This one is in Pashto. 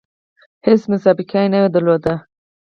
هیڅ سابقه نه وي درلودلې.